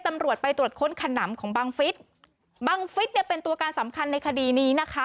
ตำรวจไปตรวจค้นขนำของบังฟิศบังฟิศเนี่ยเป็นตัวการสำคัญในคดีนี้นะคะ